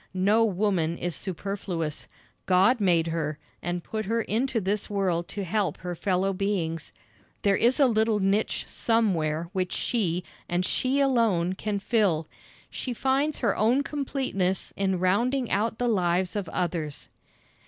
No woman is superfluous. God made her, and put her into this world to help her fellow beings. There is a little niche somewhere which she, and she alone, can fill. She finds her own completeness in rounding out the lives of others.